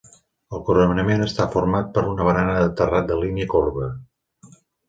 El coronament està format per una barana de terrat de línia corba.